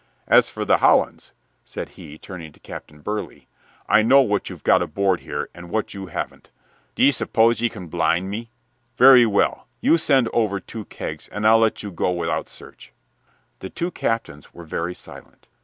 As for the Hollands," said he, turning to Captain Burley, "I know what you've got aboard here and what you haven't. D'ye suppose ye can blind me? Very well, you send over two kegs, and I'll let you go without search." The two captains were very silent.